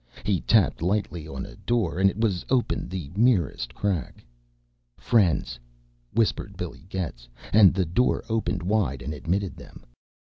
He tapped lightly on a door and it was opened the merest crack. "Friends," whispered Billy Getz, and the door opened wide and admitted them.